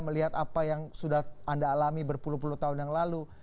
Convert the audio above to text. melihat apa yang sudah anda alami berpuluh puluh tahun yang lalu